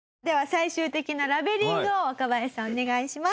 最終的なラベリングを若林さんお願いします。